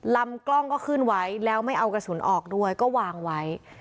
ลำกล้องก็ขึ้นไว้แล้วไม่เอากระสุนออกด้วยก็วางไว้